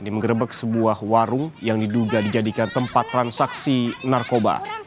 di menggerebek sebuah warung yang diduga dijadikan tempat transaksi narkoba